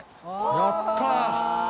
やったぁ！